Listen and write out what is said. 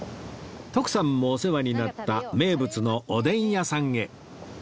徳さんもお世話になった名物のおでん屋さんへ